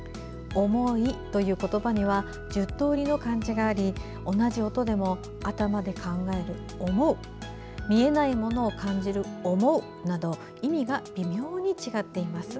「おもい」という言葉には１０通りの漢字があり同じ音でも頭で考える「思う」や見えないものを感じる「想う」など意味が微妙に違っています。